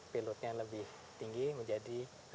payloadnya lebih tinggi menjadi